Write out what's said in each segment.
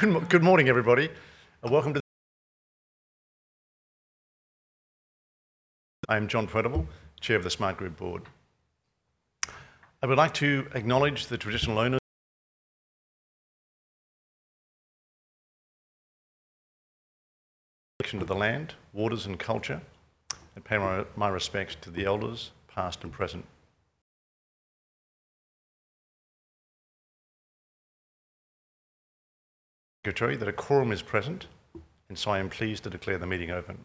Good morning, everybody, and welcome to the. I am John Prendiville, Chair of the Smartgroup board. I would like to acknowledge the traditional owners connection to the land, waters, and culture, and pay my respects to the elders, past and present. Secretary that a quorum is present. I am pleased to declare the meeting open.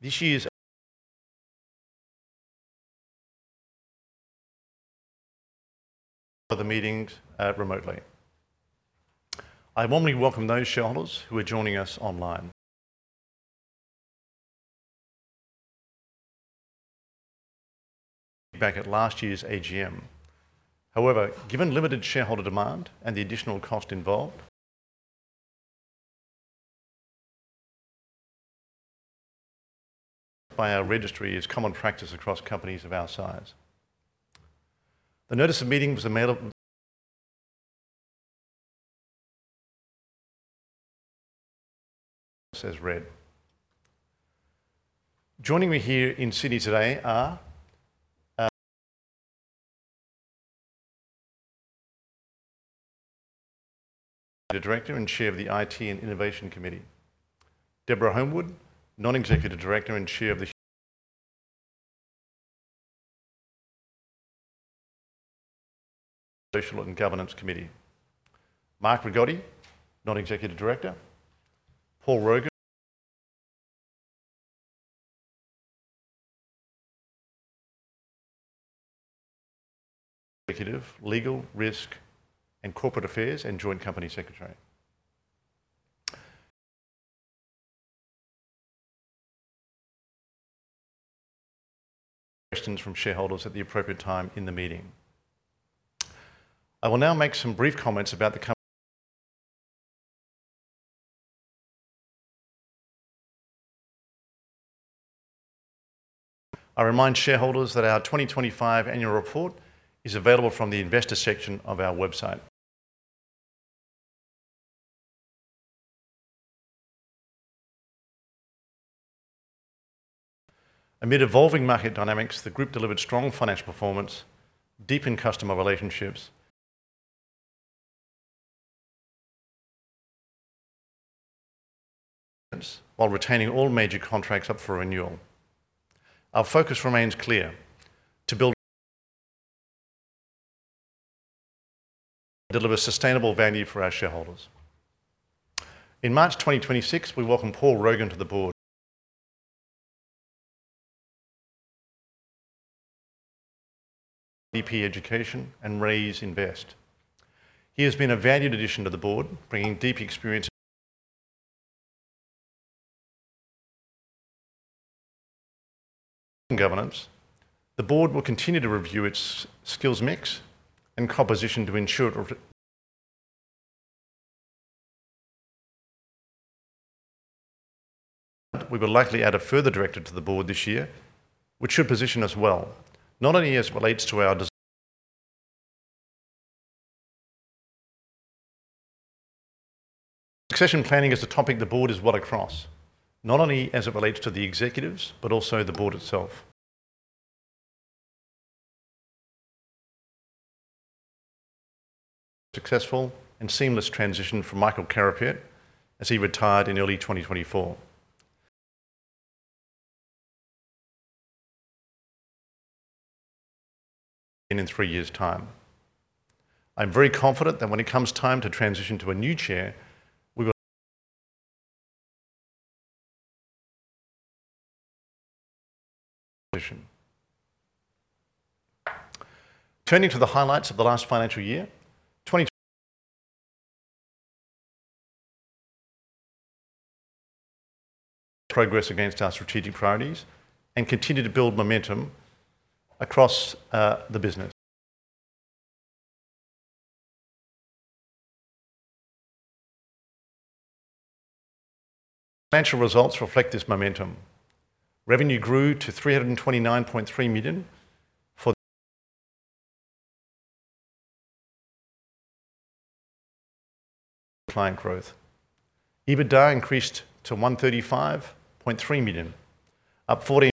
This year's for the meetings, remotely. I warmly welcome those shareholders who are joining us online. Back at last year's AGM. However, given limited shareholder demand and the additional cost involved by our registry is common practice across companies of our size. The notice of meeting was mailed as read. Joining me here in Sydney today are the Director and Chair of the IT and Innovation Committee. Deborah Homewood, non-executive director and chair of the Social and Governance Committee. Mark Rigotti, non-executive director. Paul Rogan, Executive, Legal, Risk and Corporate Affairs, and Joint Company Secretary. Questions from shareholders at the appropriate time in the meeting. I will now make some brief comments. I remind shareholders that our 2025 annual report is available from the investor section of our website. Amid evolving market dynamics, the group delivered strong financial performance, deepened customer relationships while retaining all major contracts up for renewal. Our focus remains clear: to build and deliver sustainable value for our shareholders. In March 2026, we welcomed Paul Rogan to the board. IDP Education and Raiz Invest. He has been a valued addition to the board, bringing deep experience and governance. The board will continue to review its skills mix and composition. We will likely add a further director to the board this year, which should position us well. Succession planning is a topic the board is well across, not only as it relates to the executives, but also the board itself. Successful and seamless transition from Michael Carapiet as he retired in early 2024. In three years' time. I'm very confident that when it comes time to transition to a new chair, we will position. Turning to the highlights of the last financial year, progress against our strategic priorities and continue to build momentum across the business. Financial results reflect this momentum. Revenue grew to 329.3 million for the client growth. EBITDA increased to 135.3 million, up 41% platform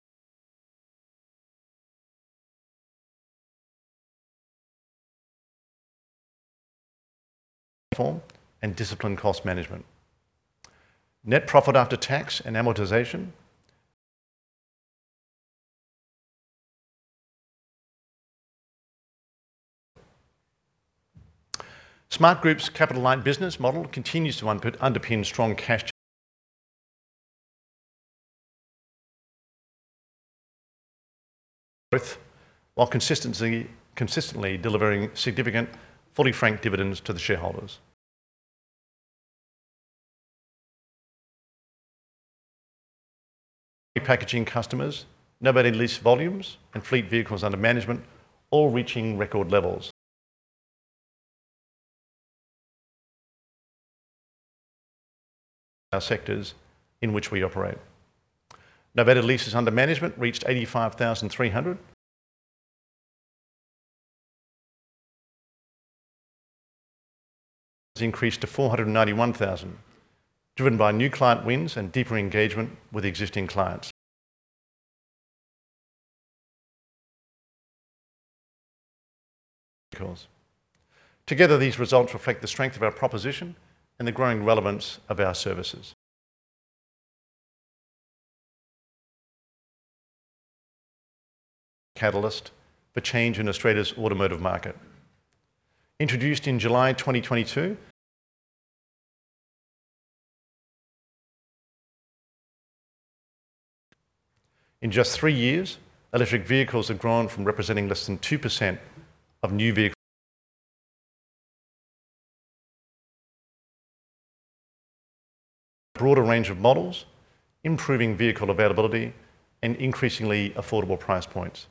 and disciplined cost management. Net profit after tax and amortization Smartgroup's capital light business model continues to underpin strong cash while consistently delivering significant fully franked dividends to the shareholders. Packaging customers, novated lease volumes and fleet vehicles under management all reaching record levels. Our sectors in which we operate. Novated leases under management reached 85,300. Increased to 491,000, driven by new client wins and deeper engagement with existing clients. Together, these results reflect the strength of our proposition and the growing relevance of our services. Catalyst for change in Australia's automotive market. Introduced in July 2022. In just three years, electric vehicles have grown from representing less than 2% of new vehicle. Broader range of models, improving vehicle availability and increasingly affordable price points.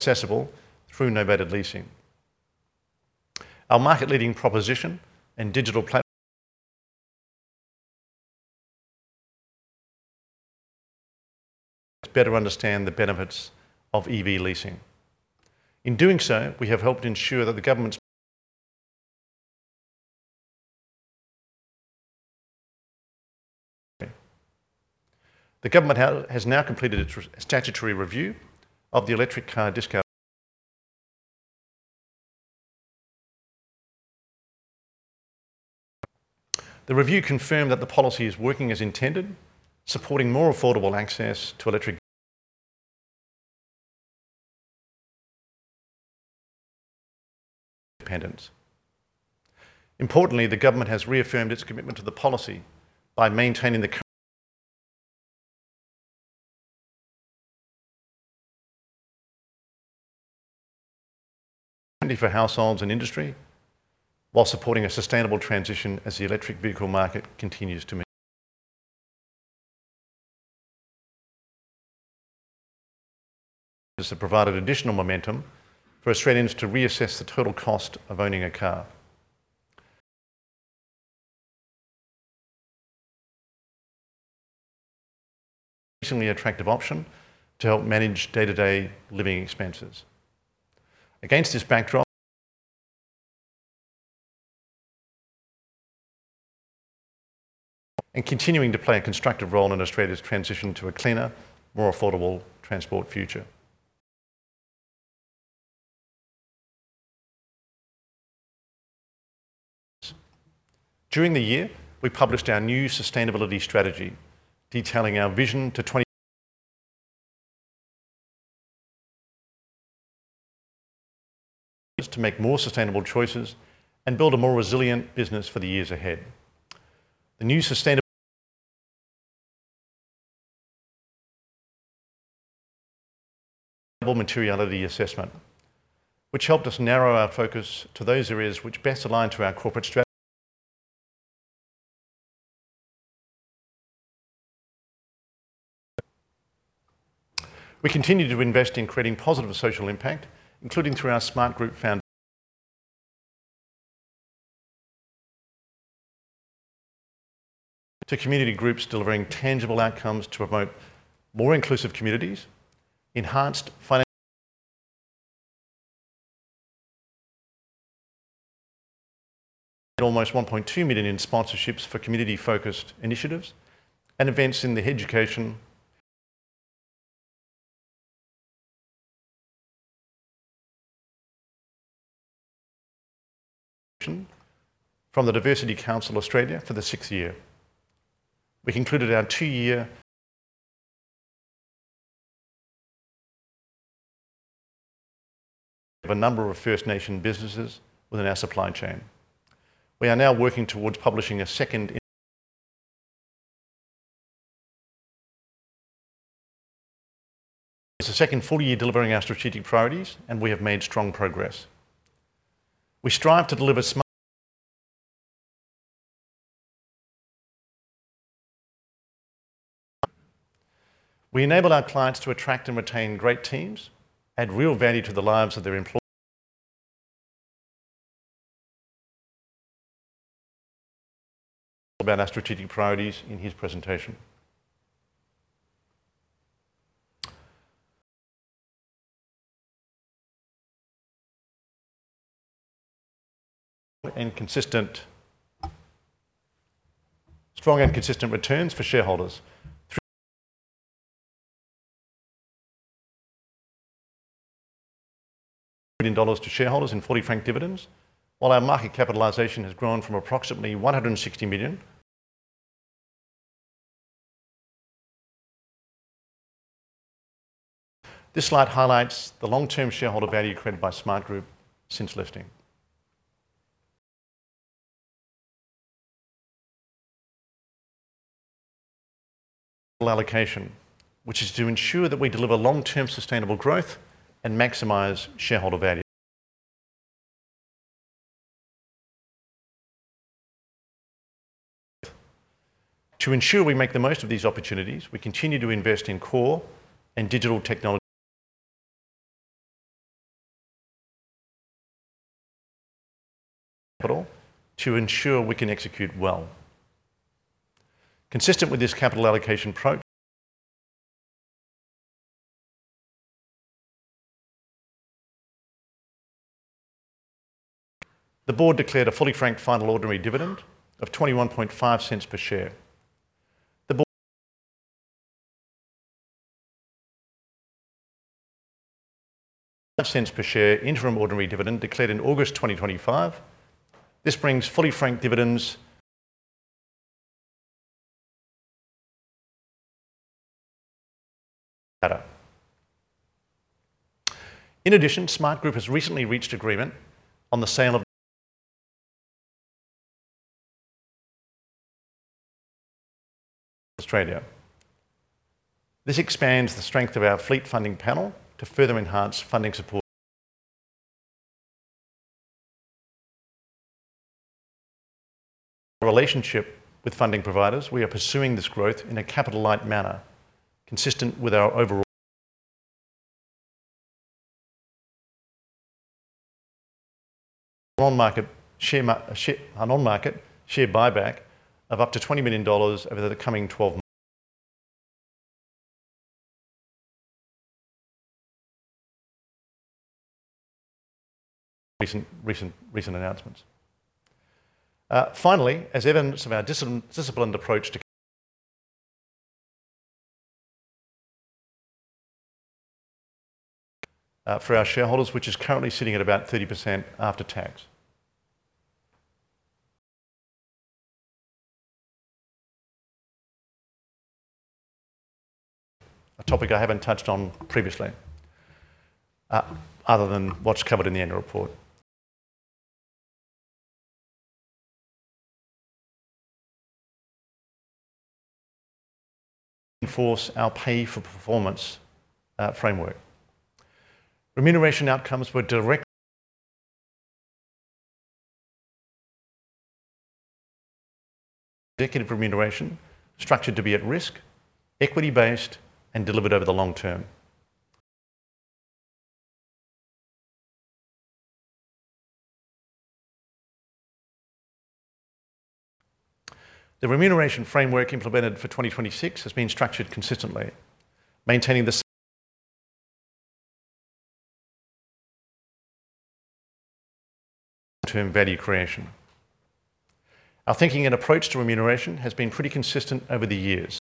Accessible through novated leasing. Our market-leading proposition and digital platform. To better understand the benefits of EV leasing. In doing so, we have helped ensure that the government has now completed its statutory review of the Electric Car Discount. The review confirmed that the policy is working as intended, supporting more affordable access to electric. Independence. Importantly, the government has reaffirmed its commitment to the policy by maintaining the current for households and industry while supporting a sustainable transition as the electric vehicle market continues to mature. This has provided additional momentum for Australians to reassess the total cost of owning a car. It is an increasingly attractive option to help manage day-to-day living expenses. Against this backdrop. We are continuing to play a constructive role in Australia's transition to a cleaner, more affordable transport future. During the year, we published our new sustainability strategy detailing our vision to 2028. To make more sustainable choices and build a more resilient business for the years ahead. The new sustainability materiality assessment, which helped us narrow our focus to those areas which best align to our corporate strategy. We continue to invest in creating positive social impact, including through our Smartgroup Foundation. To community groups delivering tangible outcomes to promote more inclusive communities, enhanced financial. Almost 1.2 million in sponsorships for community-focused initiatives and events in the education. From the Diversity Council Australia for the 6th year. We concluded our two-year of a number of First Nations businesses within our supply chain. We are now working towards publishing a second. It's the second full year delivering our strategic priorities, and we have made strong progress. We strive to deliver smart. We enabled our clients to attract and retain great teams, add real value to the lives of their employees. About our strategic priorities in his presentation. Consistent. Strong and consistent returns for shareholders through. AUD 80.2 million to shareholders in fully franked dividends, while our market capitalization has grown from approximately 160 million. This slide highlights the long-term shareholder value created by Smartgroup since listing. Allocation, which is to ensure that we deliver long-term sustainable growth and maximize shareholder value. To ensure we make the most of these opportunities, we continue to invest in core and digital technologies. To ensure we can execute well. Consistent with this capital allocation The board declared a fully frank final ordinary dividend of AUD 0.215 per share. The board cents per share interim ordinary dividend declared in August 2025. This brings fully frank dividends better. In addition, Smartgroup has recently reached agreement on the sale of our self-funded fleet portfolio to Volkswagen Financial Services Australia. This expands the strength of our fleet funding panel to further enhance funding support. Relationship with funding providers, we are pursuing this growth in a capital-light manner consistent with our overall an on-market share buyback of up to 20 million dollars over the coming 12 recent announcements. Finally, as evidence of our disciplined approach to for our shareholders, which is currently sitting at about 30% after tax. A topic I haven't touched on previously, other than what's covered in the annual report. Enforce our pay-for-performance framework. Remuneration outcomes were direct indicative remuneration structured to be at risk, equity-based, and delivered over the long term. The remuneration framework implemented for 2026 has been structured consistently, maintaining the long-term value creation. Our thinking and approach to remuneration has been pretty consistent over the years.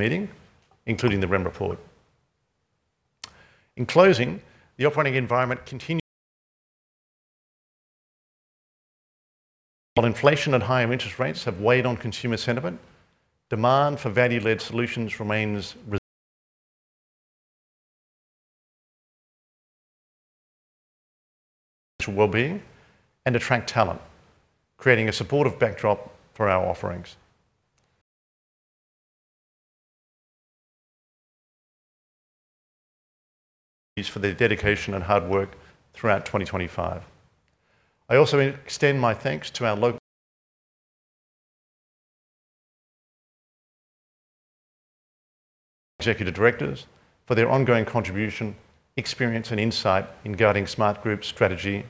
Meeting, including the rem report. In closing, the operating environment continues. While inflation and higher interest rates have weighed on consumer sentiment, demand for value-led solutions remains resilient wellbeing, and attract talent, creating a supportive backdrop for our offerings. For their dedication and hard work throughout 2025. I also extend my thanks to our local executive directors for their ongoing contribution, experience, and insight in guiding Smartgroup's strategy.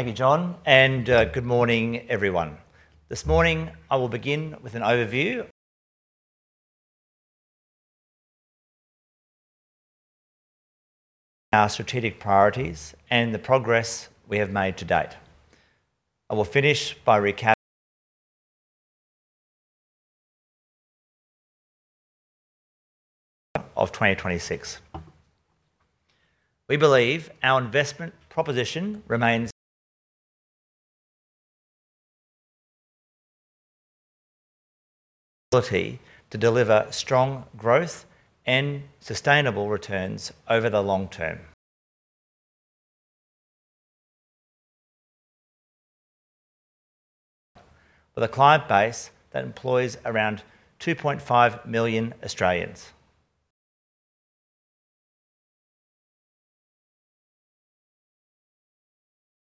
Thank you, John, and good morning, everyone. This morning, I will begin with an overview our strategic priorities and the progress we have made to date. I will finish by recap of 2026. We believe our investment proposition remains ability to deliver strong growth and sustainable returns over the long term. With a client base that employs around 2.5 million Australians.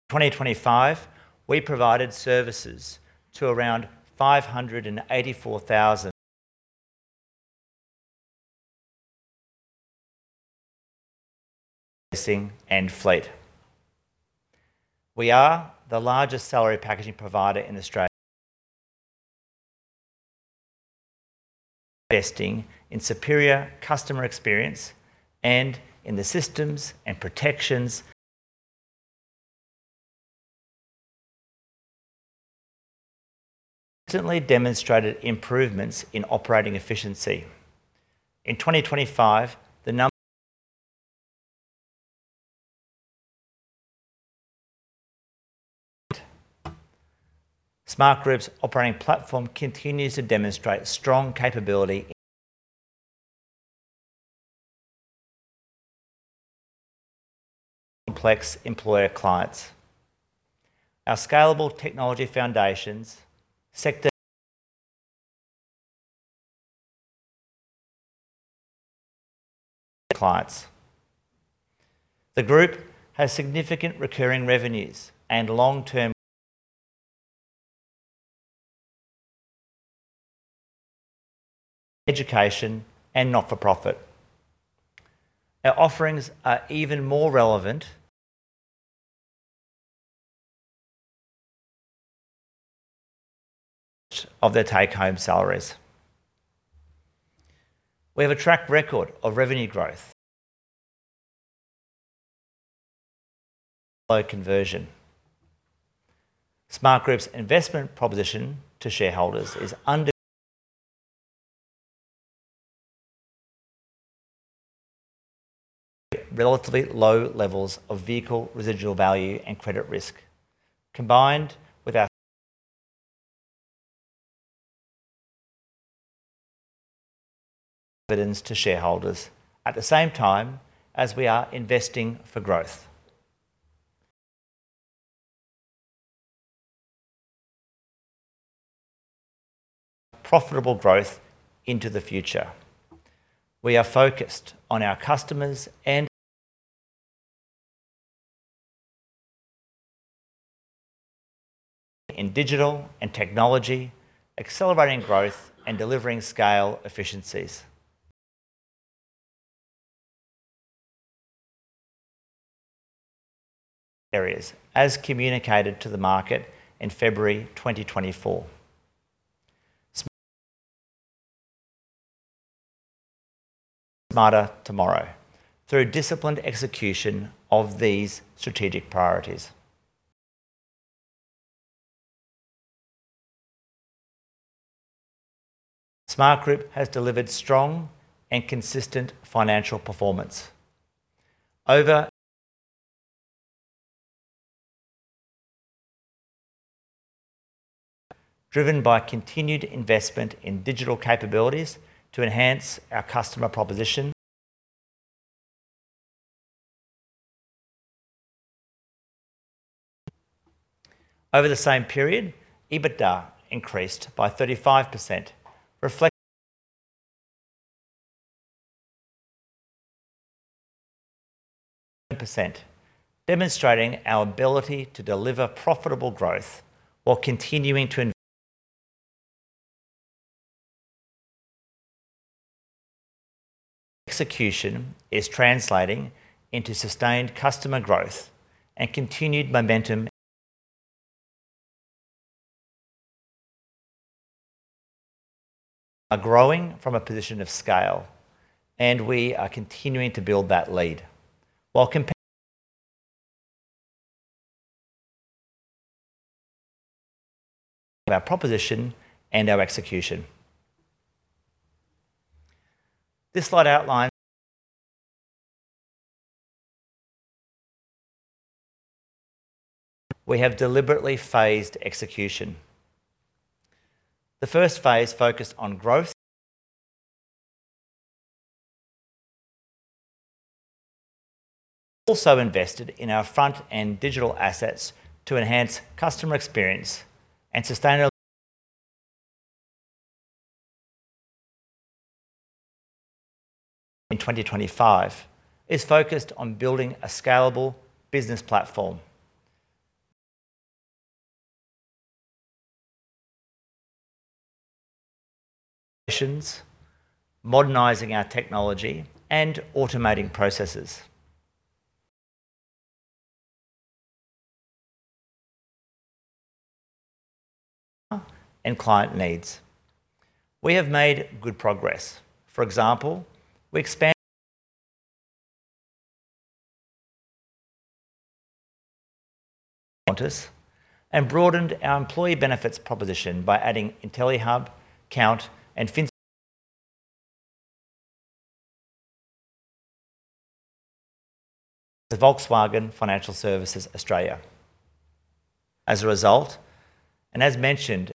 2025, we provided services to around 584,000 leasing and fleet. We are the largest salary packaging provider in Australia investing in superior customer experience and in the systems and protections consistently demonstrated improvements in operating efficiency. In 2025, the Smartgroup's operating platform continues to demonstrate strong capabilityComplex employer clients. Our scalable technology foundations, sector clients. The group has significant recurring revenues and long-term education and not-for-profit. Our offerings are even more relevant of their take-home salaries. We have a track record of revenue growth, low conversion. Smartgroup's investment proposition to shareholders is under relatively low levels of vehicle residual value and credit risk, combined with our evidence to shareholders at the same time as we are investing for growth. Profitable growth into the future. We are focused on our customers and in digital and technology, accelerating growth and delivering scale efficiencies, areas as communicated to the market in February 2024. Smarter tomorrow through disciplined execution of these strategic priorities. Smartgroup has delivered strong and consistent financial performance, over driven by continued investment in digital capabilities to enhance our customer proposition. Over the same period, EBITDA increased by 35%, demonstrating our ability to deliver profitable growth while continuing to. Execution is translating into sustained customer growth and continued momentum. We are growing from a position of scale. We are continuing to build that lead while comp Our proposition and our execution. This slide outlines. We have deliberately phased execution. The first phase focused on growth. We also invested in our front-end digital assets to enhance customer experience and sustain in 2025 is focused on building a scalable business platform. Missions, modernizing our technology and automating processes. Client needs. We have made good progress. For example, we expand Qantas and broadened our employee benefits proposition by adding Intellihub, Count, and Fin- Volkswagen Financial Services Australia. As a result, as mentioned,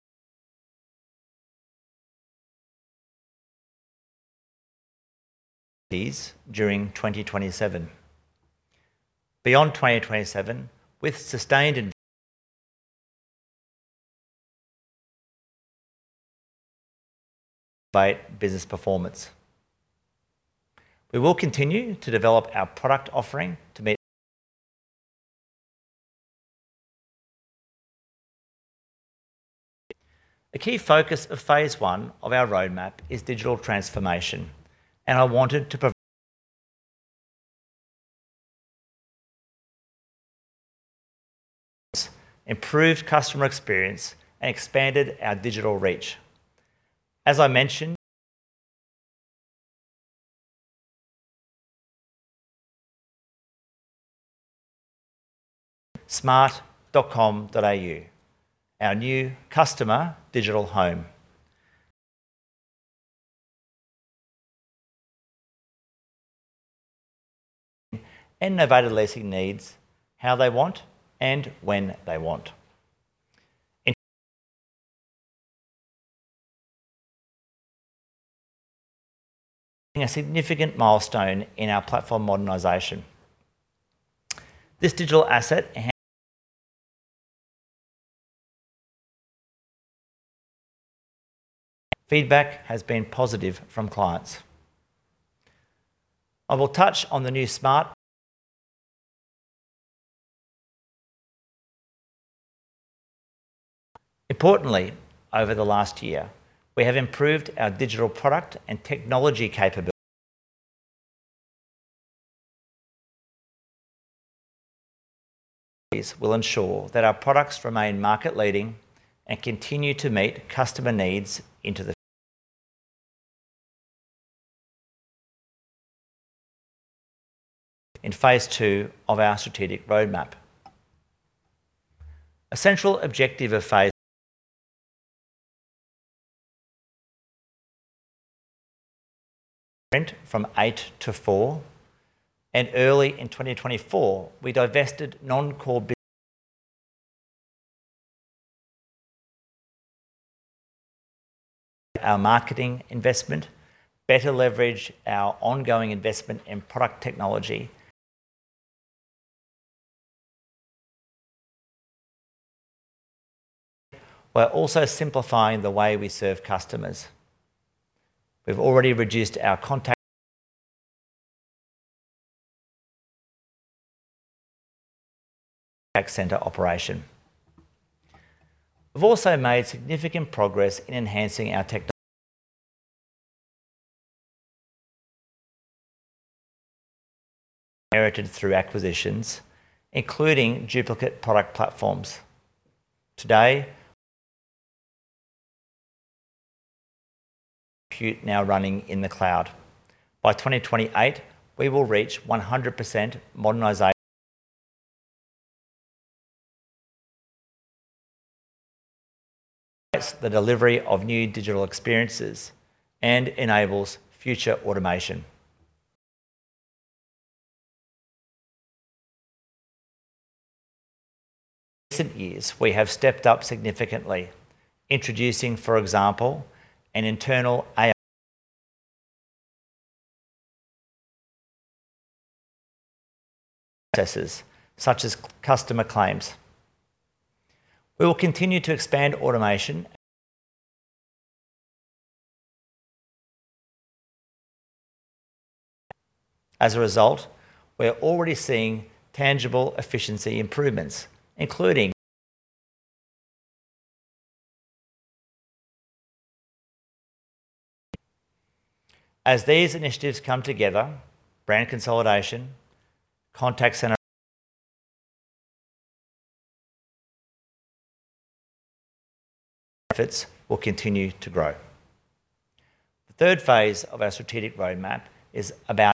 these during 2027. Beyond 2027, with sustained inv By business performance. We will continue to develop our product offering to meet. A key focus of phase one of our roadmap is digital transformation. I wanted to prov Improved customer experience and expanded our digital reach. As I mentioned, smart.com.au, our new customer digital home. Novated Leasing needs how they want and when they wanta significant milestone in our platform modernization. This digital asset Feedback has been positive from clients. Importantly, over the last year, we have improved our digital product and technology capabilities. These will ensure that our products remain market-leading and continue to meet customer needs into the in phase II of our strategic roadmap. A central objective of print from eight to four. Early in 2024 we divested non-core our marketing investment, better leverage our ongoing investment in product technology. We're also simplifying the way we serve customers. We've already reduced our contact center operation. We've also made significant progress in enhancing our inherited through acquisitions, including duplicate product platforms. compute now running in the cloud. By 2028 we will reach 100% modernization, the delivery of new digital experiences and enables future automation. In recent years we have stepped up significantly, introducing, for example, an internal AI processes such as customer claims. We will continue to expand automation and. As a result, we are already seeing tangible efficiency improvements, including. As these initiatives come together, brand consolidation, contact center benefits will continue to grow. The third phase of our strategic roadmap is about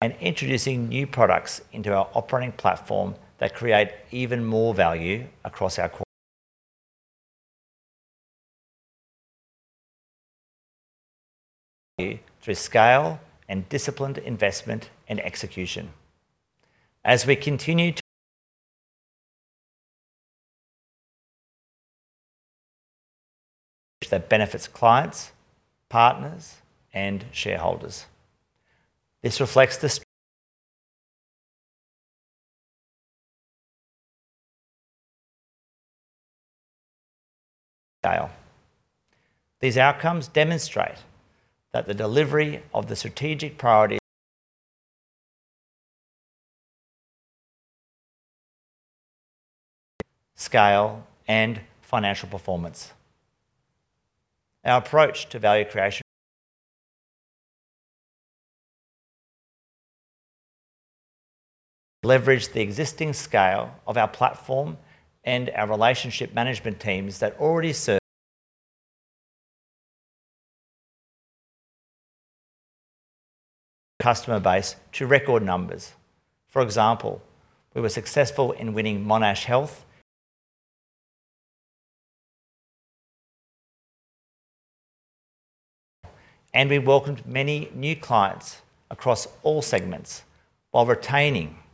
and introducing new products into our operating platform that create even more value across our core through scale and disciplined investment and execution. As we continue to that benefits clients, partners, and shareholders. This reflects the scale. These outcomes demonstrate that the delivery of the strategic priorities, scale, and financial performance. Our approach to value creation: leverage the existing scale of our platform and our relationship management teams that already serve customer base to record numbers. For example, we were successful in winning Monash Health. We welcomed many new clients across all segments while retaining clients.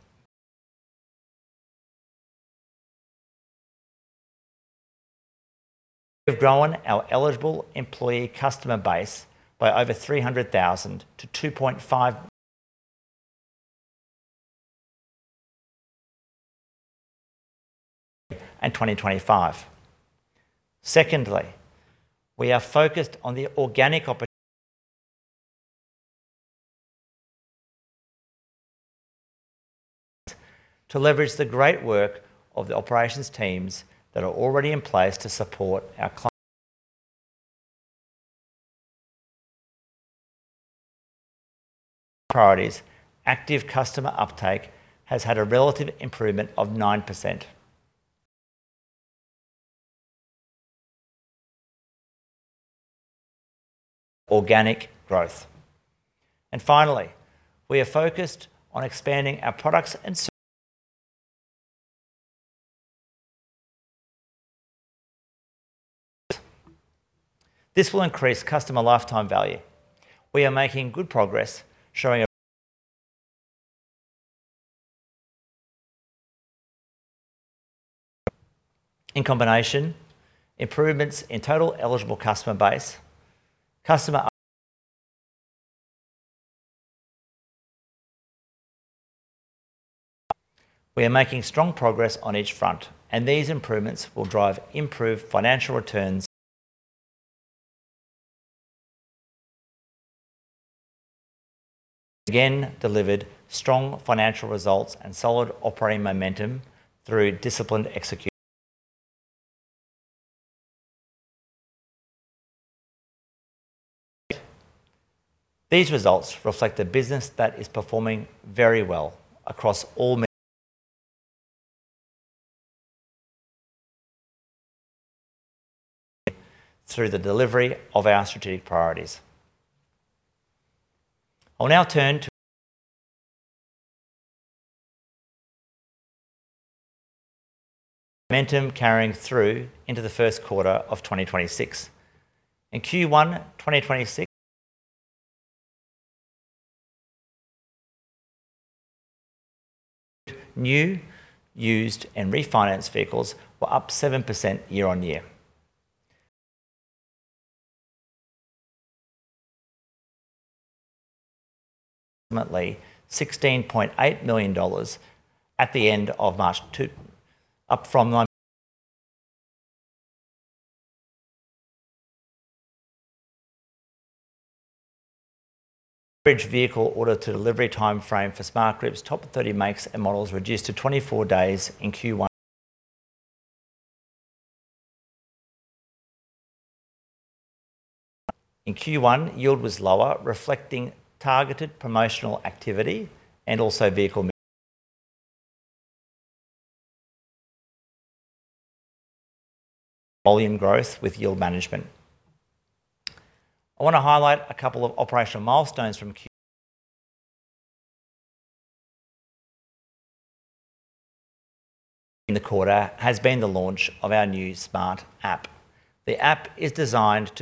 We've grown our eligible employee customer base by over 300,000 to 2.5 and 2025. Secondly, we are focused on the organic opportunity to leverage the great work of the operations teams that are already in place to support our client priorities, active customer uptake has had a relative improvement of 9%. Organic growth. Finally, we are focused on expanding our products and services. This will increase customer lifetime value. We are making strong progress on each front, and these improvements will drive improved financial returns. We again delivered strong financial results and solid operating momentum through disciplined execution. These results reflect a business that is performing very well across all ma. Through the delivery of our strategic priorities, momentum is carrying through into the first quarter of 2026. In Q1 2026, new, used, and refinanced vehicles were up 7% year-on-year. Approximately AUD 16.8 million at the end of March 2. Up from 9 million. Average vehicle order-to-delivery timeframe for Smartgroup's top 30 makes and models reduced to 24 days in Q1. In Q1, yield was lower, reflecting targeted promotional activity and also Volume growth with yield management. I wanna highlight a couple of operational milestones. In the quarter has been the launch of our new Smart app. The app is designed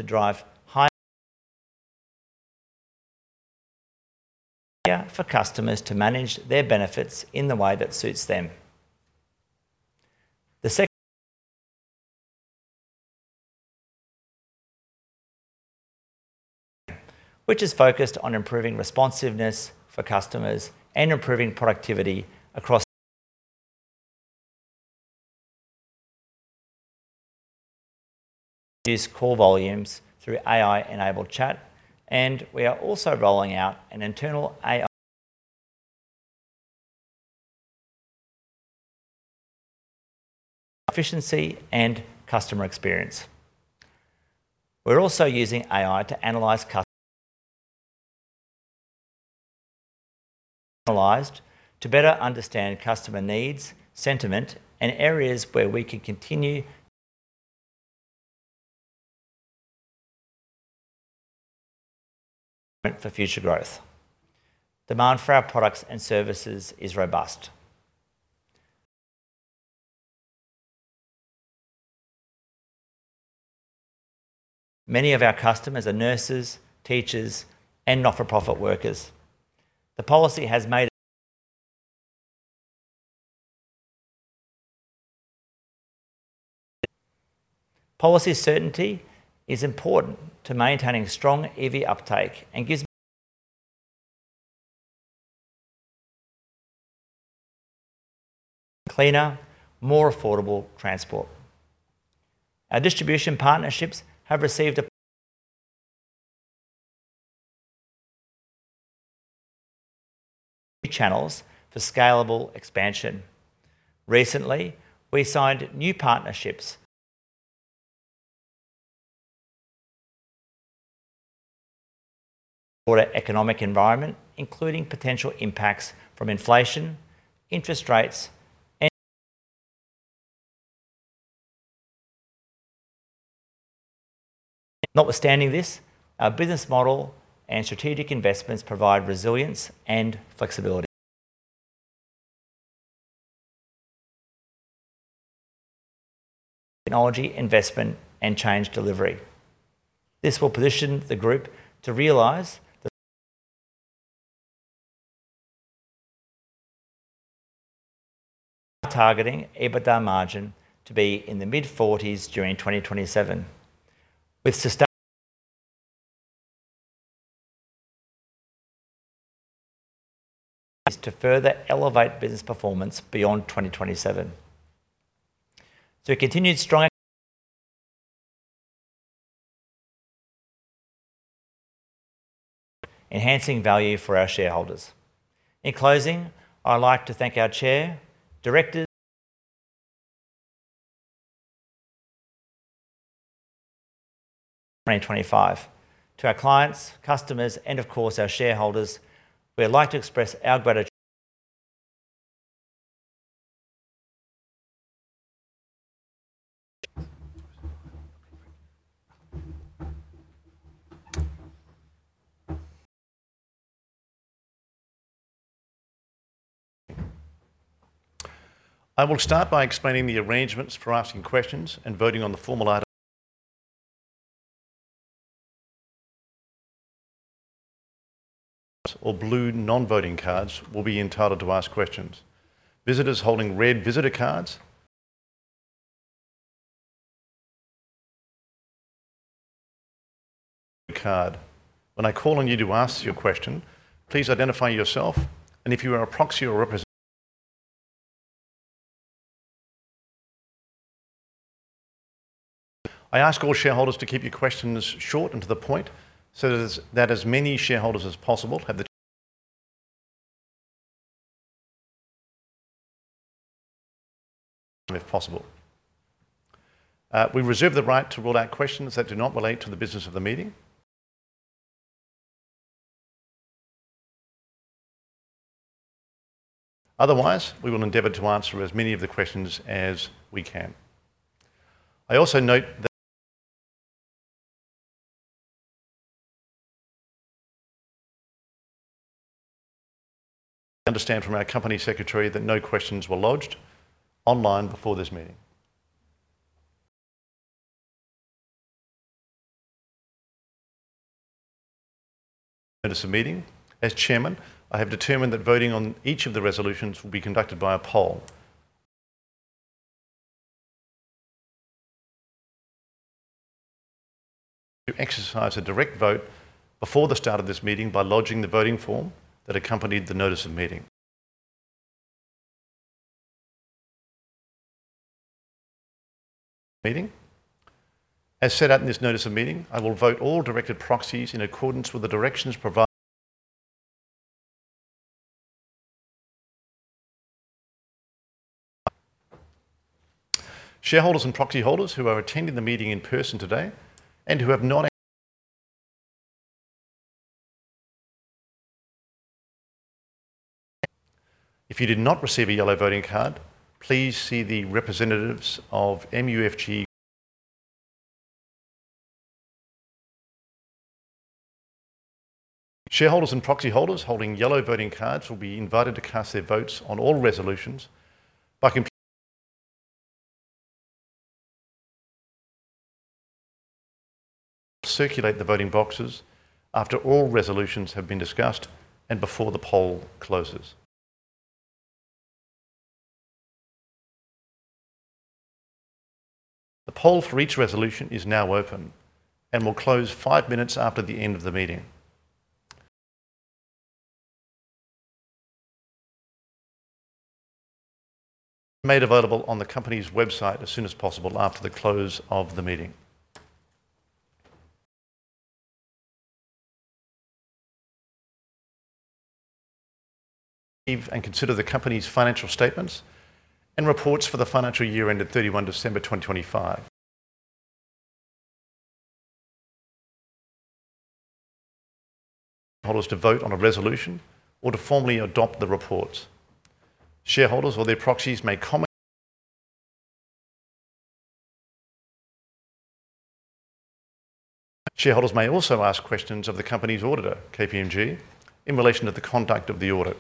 for customers to manage their benefits in the way that suits them. Which is focused on improving responsiveness for customers and improving productivity. Reduce call volumes through AI-enabled chat, and we are also rolling out an internal AI efficiency and customer experience. We're also using AI to analyze to better understand customer needs, sentiment, and areas where we can continue for future growth. Demand for our products and services is robust. Many of our customers are nurses, teachers, and not-for-profit workers. Policy certainty is important to maintaining strong EV uptake and gives cleaner, more affordable transport. Our distribution partnerships have received channels for scalable expansion. Recently, we signed new partnerships. Broader economic environment, including potential impacts from inflation, interest rates, and. Notwithstanding this, our business model and strategic investments provide resilience and flexibility. Technology investment and change delivery. We are targeting EBITDA margin to be in the mid-forties during 2027. Our goal is to further elevate business performance beyond 2027. Enhancing value for our shareholders. In closing, I would like to thank our chair, directors. 2025. To our clients, customers, and of course our shareholders, we would like to express our gratitude. I will start by explaining the arrangements for asking questions and voting on the formal. Blue non-voting cards will be entitled to ask questions. Visitors holding red visitor cards. When I call on you to ask your question, please identify yourself, and if you are a proxy or a. I ask all shareholders to keep your questions short and to the point so that as many shareholders as possible have the if possible. We reserve the right to rule out questions that do not relate to the business of the meeting. Otherwise, we will endeavor to answer as many of the questions as we can. I also note that I understand from our company secretary that no questions were lodged online before this meeting. Notice of meeting. As chairman, I have determined that voting on each of the resolutions will be conducted by a poll. To exercise a direct vote before the start of this meeting by lodging the voting form that accompanied the notice of meeting. As set out in this notice of meeting, I will vote all directed proxies in accordance with the directions provided. Shareholders and proxy holders who are attending the meeting in person today and who have not. If you did not receive a yellow voting card, please see the representatives of MUFG. Shareholders and proxy holders holding yellow voting cards will be invited to cast their votes on all resolutions by circulate the voting boxes after all resolutions have been discussed and before the poll closes. The poll for each resolution is now open and will close five minutes after the end of the meeting. Made available on the company's website as soon as possible after the close of the meeting. Receive and consider the company's financial statements and reports for the financial year ended December 31, 2025. Holders to vote on a resolution or to formally adopt the report. Shareholders or their proxies may comment. Shareholders may also ask questions of the company's auditor, KPMG, in relation to the conduct of the audit.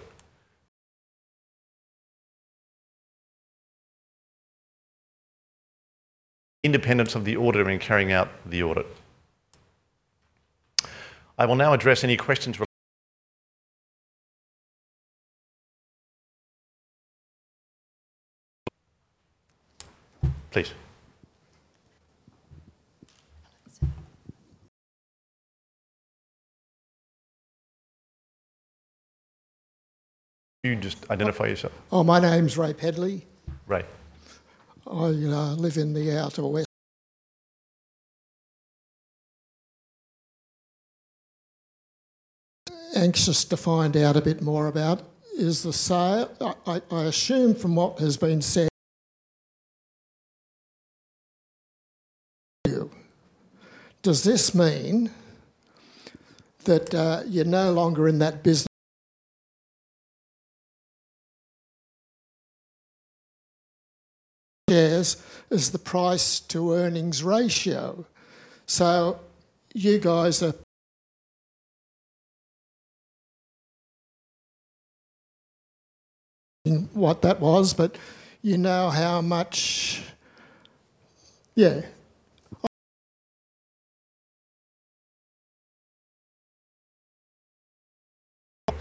Independence of the auditor in carrying out the audit. I will now address any questions rela. Please. Can you just identify yourself? My name's Ray Pedley. Ray. I live in the out of west. Anxious to find out a bit more about is the sale. I assume from what has been said. You. Does this mean that you're no longer in that? Shares is the price to earnings ratio. You guys what that was, but you know how much. Yeah. I'm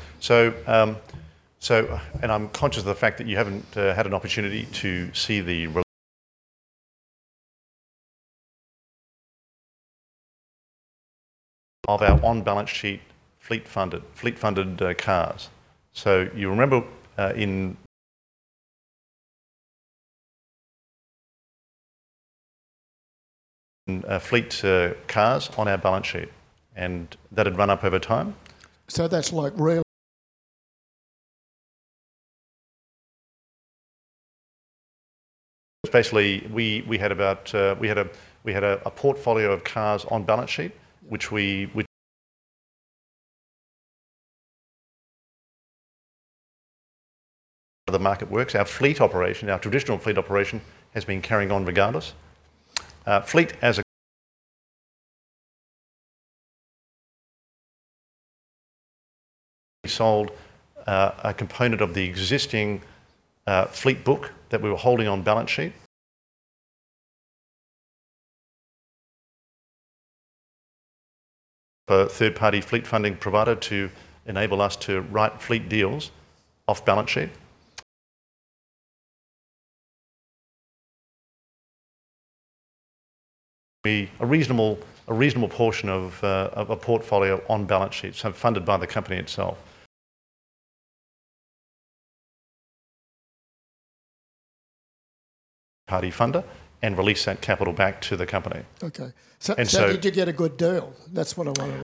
conscious of the fact that you haven't had an opportunity to see of our on-balance-sheet fleet funded, cars. You remember in fleet cars on our balance sheet, and that had run up over time. That's like rail- Basically, we had a portfolio of cars on balance sheet, the market works. Our fleet operation, our traditional fleet operation has been carrying on regardless. We sold a component of the existing fleet book that we were holding on balance sheet, a third-party fleet funding provider to enable us to write fleet deals off balance sheet. Be a reasonable portion of a portfolio on balance sheet, so funded by the company itself. Party funder release that capital back to the company. Okay. And so- So did you get a good deal? That's what I wanna. Yeah.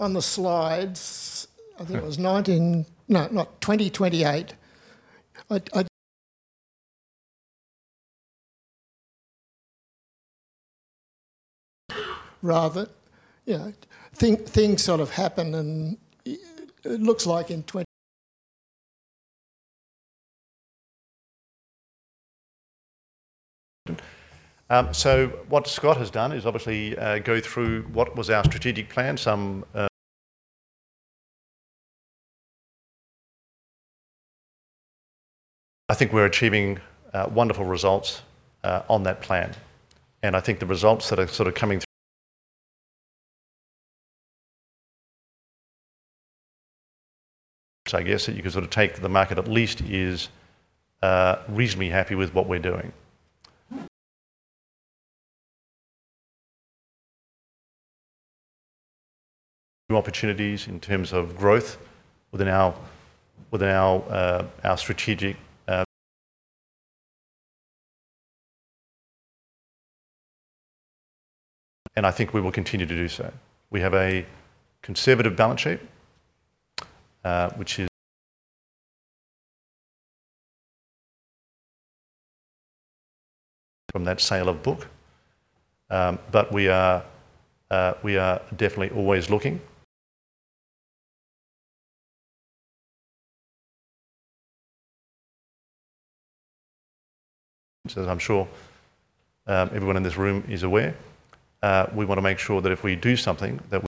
On the slides. Yeah. I think it was 2028. I'd rather, you know, think things sort of happen and it looks like in twen- What Scott has done is obviously go through what was our strategic plan, some, I think we're achieving wonderful results on that plan. I think the results that are sort of coming through So I guess that you can sort of take the market at least is reasonably happy with what we're doing. I think we will continue to do so. We have a conservative balance sheet, which is from that sale of book. We are definitely always looking. As I'm sure everyone in this room is aware, we wanna make sure that if we do something that we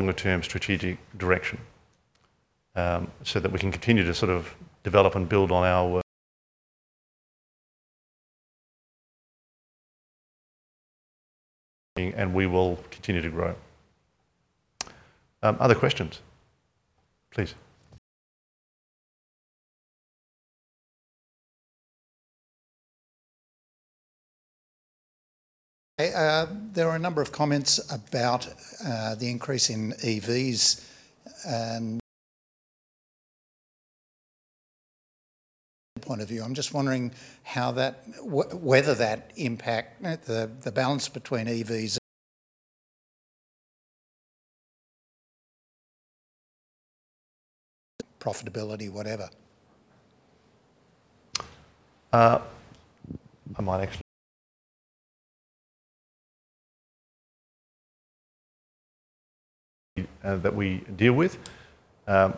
Longer-term strategic direction, so that we can continue to sort of develop and build on our. We will continue to grow. Other questions? Please. Okay. There are a number of comments about the increase in EVs, point of view. I'm just wondering whether that impact the balance between EVs profitability. I might actually that we deal with.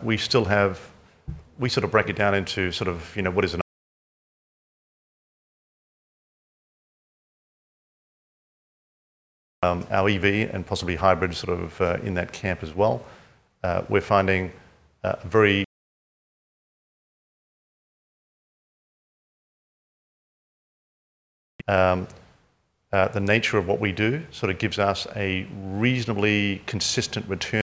We sort of break it down into sort of, you know, what is an our EV and possibly hybrid sort of, in that camp as well. We're finding, very the nature of what we do sort of gives us a reasonably consistent return.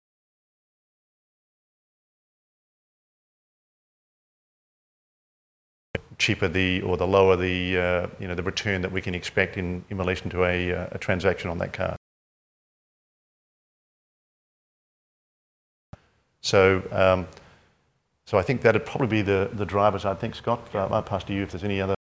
Cheaper the or the lower the, you know, the return that we can expect in relation to a transaction on that car. I think that'd probably be the drivers, I think. Yeah. I might pass to you if there's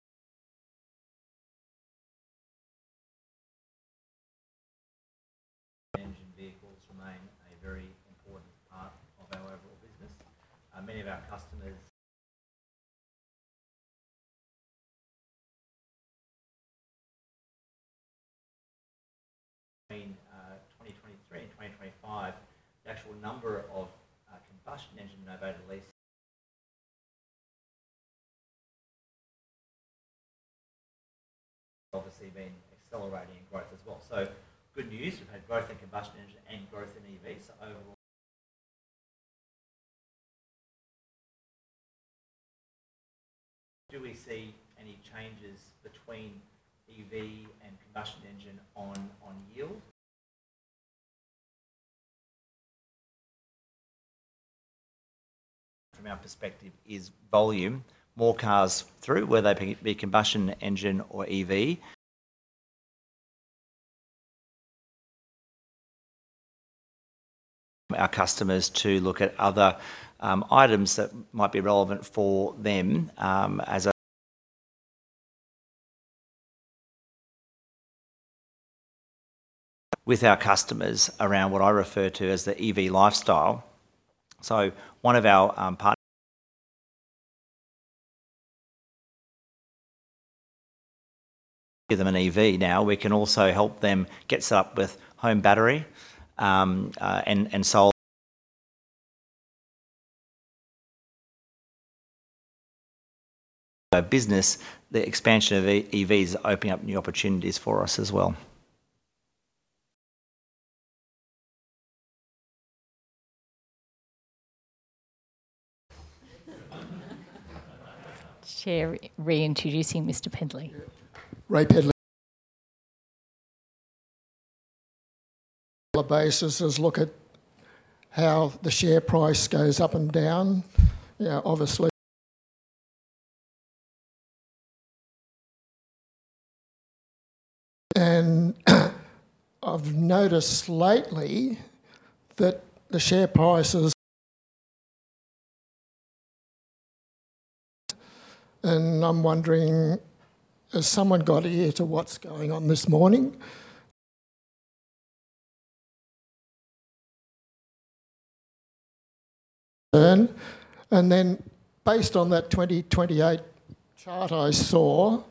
any other. Engine vehicles remain a very important part of our overall business. Many of our customers between 2023 and 2025, the actual number of combustion engine novated lease obviously been accelerating in growth as well. Good news. We've had growth in combustion engine and growth in EV. Overall, do we see any changes between EV and combustion engine on yield? From our perspective is volume. More cars through, whether they be combustion engine or EV. Our customers to look at other items that might be relevant for them. With our customers around what I refer to as the EV lifestyle. One of our. Give them an EV now. We can also help them get set up with home battery and solar. Business, the expansion of EVs opening up new opportunities for us as well. Chair re-introducing Mr. Pedley. Ray Pedley. On a basis is look at how the share price goes up and down. You know, obviously. I've noticed lately that the share price has. I'm wondering, has someone got ear to what's going on this morning? Based on that 2028 chart I saw,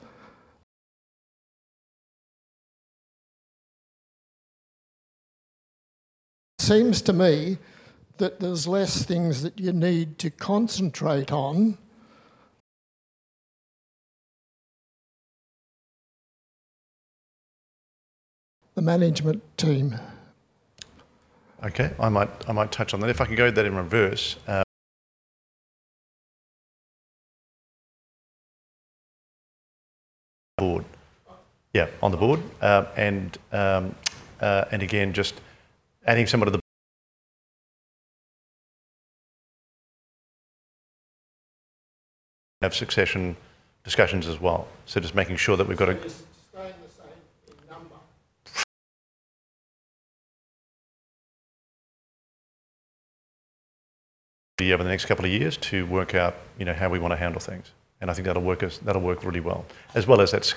seems to me that there's less things that you need to concentrate on, the management team. Okay. I might touch on that. If I could go that in reverse. Board. Oh. Yeah, on the board. again, just adding someone to have succession discussions as well. Just staying the same in number. Over the next couple of years to work out, you know, how we wanna handle things. I think that'll work really well. As well as that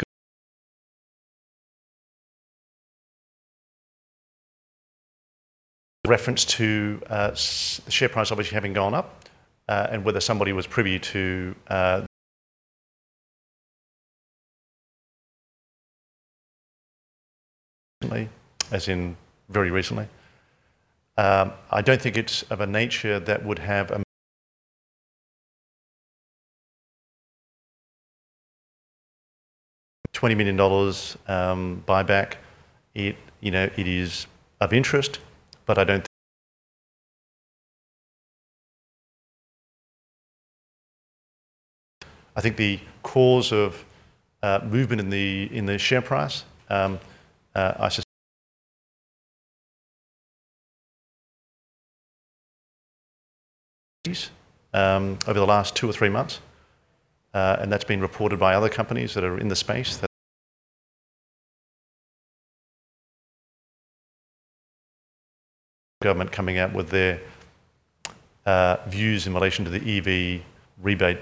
reference to share price obviously having gone up, and whether somebody was privy to recently, as in very recently. I don't think it's of a nature that would have a AUD 20 million buyback. It, you know, it is of interest, but I don't think the cause of movement in the share price, I sus over the last two or three months. That's been reported by other companies that are in the space that government coming out with their views in relation to the EV rebate,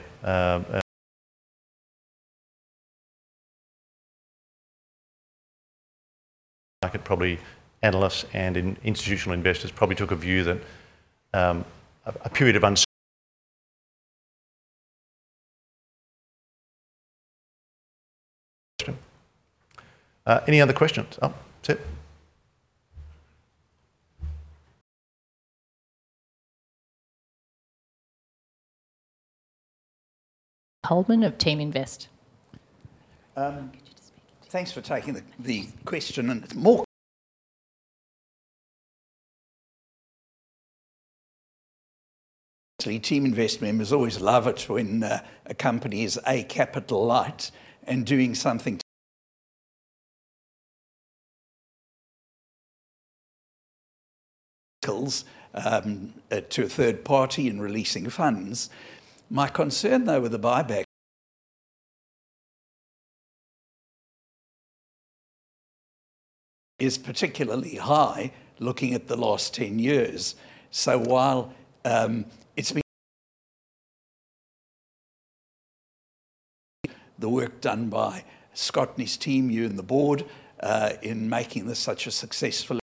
market probably analysts and institutional investors probably took a view that a period of un question. Any other questions? Oh, yep. Howard Coleman of Teaminvest. Um- Get you to speak into it. Thanks for taking the question, and more Teaminvest members always love it when a company is, A, capital light and doing something to a third party and releasing funds. My concern, though, with the buyback is particularly high looking at the last 10 years. While it's been the work done by Scott and his team, you and the board, in making this such a successful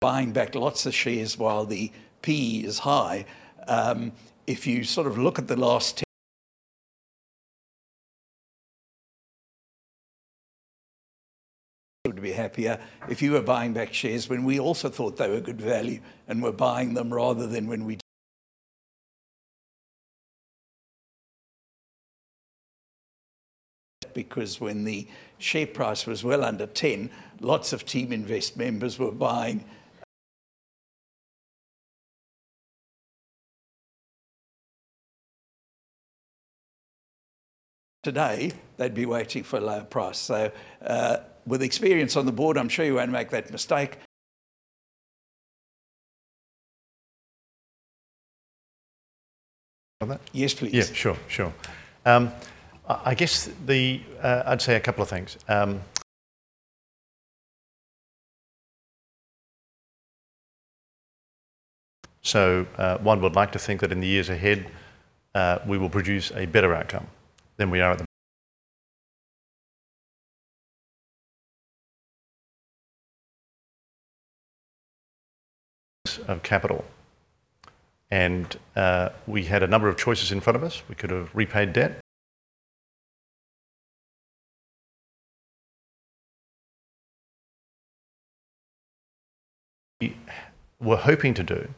buying back lots of shares while the PE is high, we would be happier if you were buying back shares when we also thought they were good value and were buying them rather than because when the share price was well under 10, lots of Teaminvest members were buying. Today, they'd be waiting for a lower price. With experience on the board, I'm sure you won't make that mistake. Further? Yes, please. Yeah, sure. I guess I'd say a couple of things. One would like to think that in the years ahead, we will produce a better outcome than we are at the cost of capital. We had a number of choices in front of us. We could have repaid debt. What we were hoping to do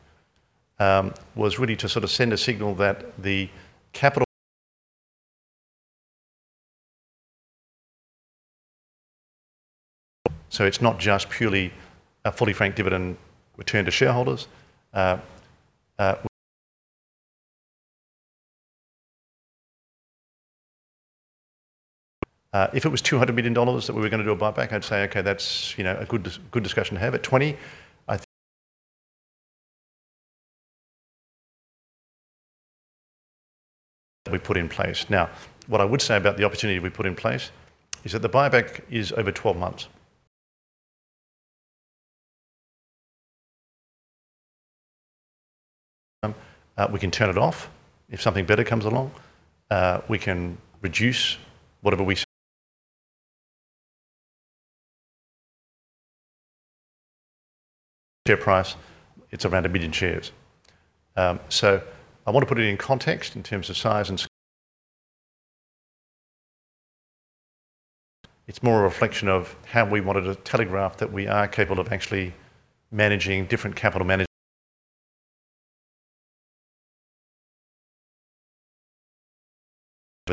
was really to sort of send a signal that the capital. It's not just purely a fully franked dividend return to shareholders. If it was 200 million dollars that we were going to do a buyback, I'd say, okay, that's, you know, a good discussion to have. At 20 million, I think that we put in place. What I would say about the opportunity we put in place is that the buyback is over 12 months. We can turn it off if something better comes along. We can reduce whatever we share price, it's around 1 million shares. So I wanna put it in context in terms of size and It's more a reflection of how we wanted to telegraph that we are capable of actually managing different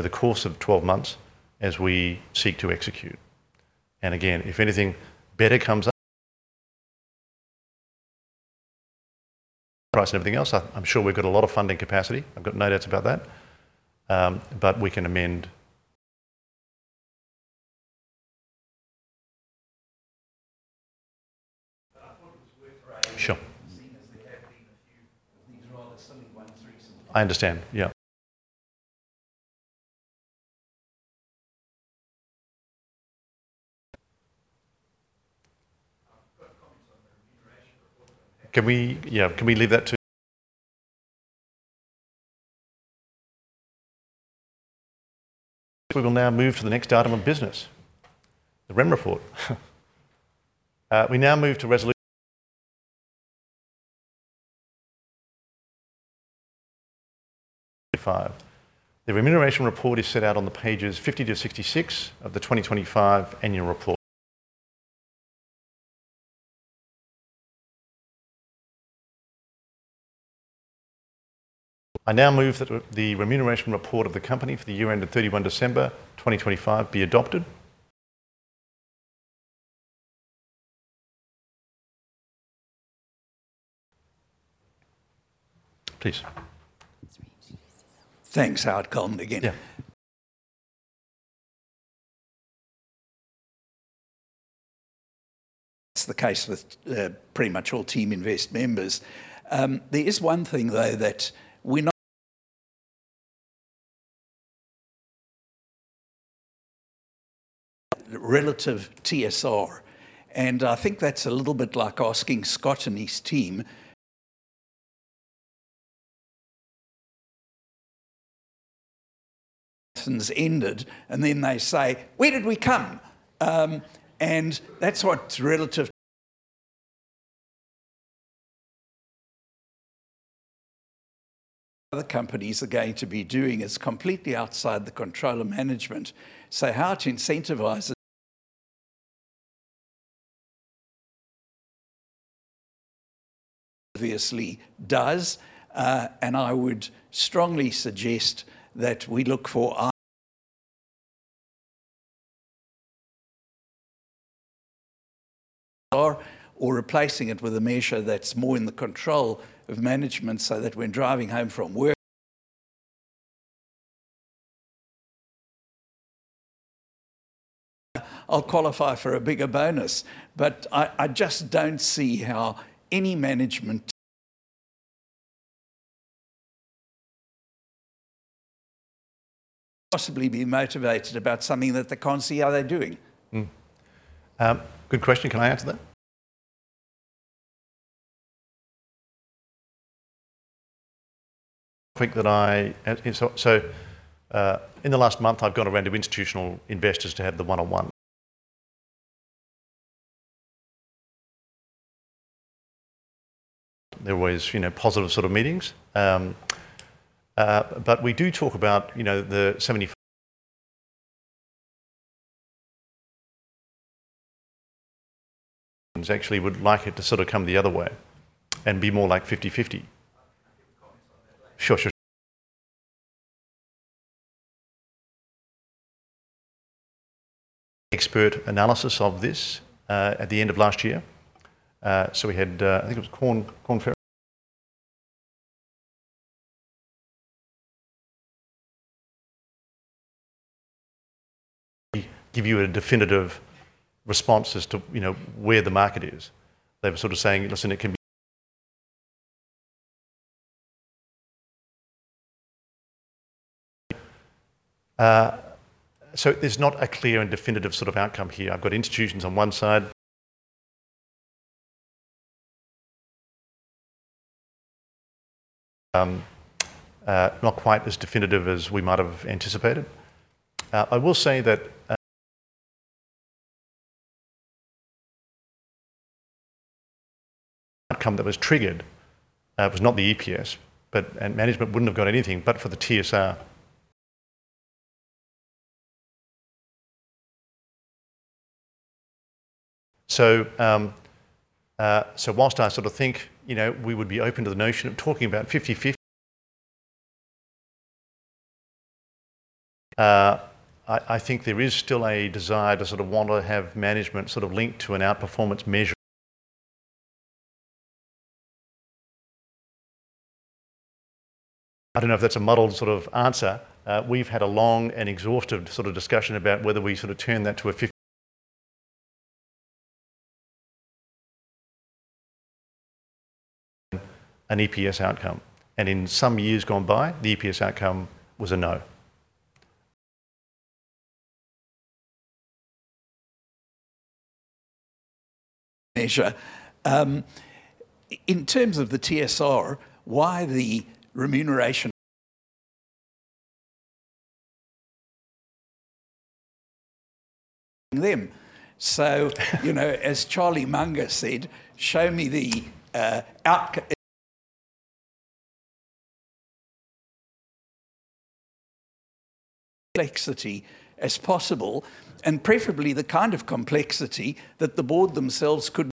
capital management over the course of 12 months as we seek to execute. Again, if anything better comes up, price and everything else. I'm sure we've got a lot of funding capacity. I've got no doubts about that. We can amend. Sure. Seen as there have been a few things rather suddenly run through. I understand. Yeah. I've got comments on the remuneration report on that. Yeah, can we leave that to I guess we will now move to the next item of business, the rem report. We now move to resolution five. The remuneration report is set out on the pages 50-66 of the 2025 annual report. I now move that the remuneration report of the company for the year ended December 31, 2025 be adopted. Please. Thanks, Chair. Comment again. Yeah. That's the case with pretty much all Teaminvest members. There is one thing, though, that we're not Relative TSR. I think that's a little bit like asking Scott and his team lessons ended, and then they say, "Where did we come?" That's what relative other companies are going to be doing is completely outside the control of management. How to incentivize it obviously does. I would strongly suggest that we look for our or replacing it with a measure that's more in the control of management so that when driving home from work, I'll qualify for a bigger bonus. I just don't see how any management possibly be motivated about something that they can't see how they're doing. Good question. Can I answer that? I think that in the last month, I've gone around to institutional investors to have the one-on-one. They're always, you know, positive sort of meetings. We do talk about, you know, the 75 actually would like it to sort of come the other way and be more like 50/50. I can give comments on that later. Sure, sure. expert analysis of this at the end of last year. We had, I think it was Korn Ferry really give you a definitive response as to, you know, where the market is. They were sort of saying, "Listen, it can be there's not a clear and definitive sort of outcome here. I've got institutions on one side, not quite as definitive as we might have anticipated. I will say that outcome that was triggered was not the EPS, but management wouldn't have got anything but for the TSR. Whilst I sort of think, you know, we would be open to the notion of talking about 50/50, I think there is still a desire to sort of want to have management sort of linked to an outperformance measure. I don't know if that's a muddled sort of answer. We've had a long and exhaustive sort of discussion about whether we sort of turn that to an EPS outcome. In some years gone by, the EPS outcome was a no. Measure. In terms of the TSR, why the remuneration them? You know, as Charlie Munger said, "Show me the complexity as possible, and preferably the kind of complexity that the board themselves could."